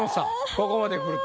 ここまでくると。